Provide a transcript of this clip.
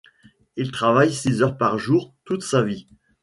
Il travaille six heures par jour, toute sa vie.